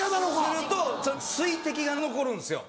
すると水滴が残るんですよ。